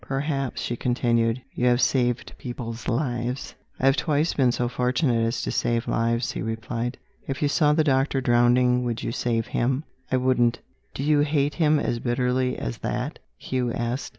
"Perhaps," she continued, "you have saved people's lives." "I have twice been so fortunate as to save lives," he replied. "If you saw the doctor drowning, would you save him? I wouldn't!" "Do you hate him as bitterly as that?" Hugh asked.